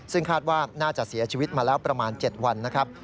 ซึ่งคาดว่าน่าจะเสียชีวิตมาแล้วประมาณ๗วันนะครับ